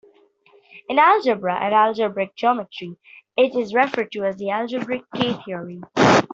In algebra and algebraic geometry, it is referred to as algebraic K-theory.